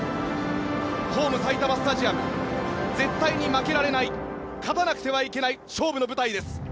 ホーム、埼玉スタジアム絶対に負けられない勝たなくてはいけない勝負の舞台です。